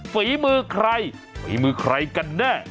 ฝีมือใครฝีมือใครกันแน่